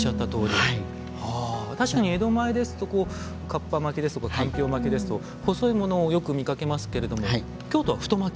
ああ確かに江戸前ですとかっぱ巻きですとかかんぴょう巻きですと細いものをよく見かけますけれども京都は太巻き？